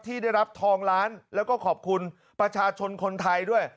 ที่ได้รับทองล้านแล้วก็ขอบคุณประชาชนคนไทยด้วย